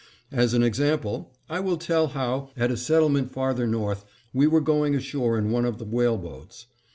As an example, I will tell how, at a settlement farther north, we were going ashore in one of the whale boats.